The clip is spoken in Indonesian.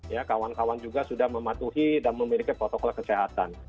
ya kawan kawan juga sudah mematuhi dan memiliki protokol kesehatan